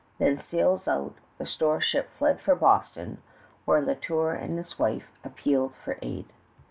Then sails out, the store ship fled for Boston, where La Tour and his wife appealed for aid.